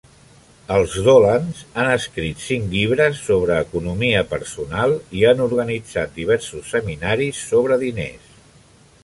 Els Dolans han escrit cinc llibres sobre economia personal i han organitzat diversos seminaris sobre diners.